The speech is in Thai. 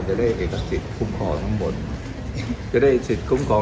จะได้เอกสิทธิ์คุ้มครองทั้งหมดจะได้สิทธิ์คุ้มครอง